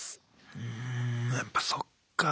うんやっぱそっか。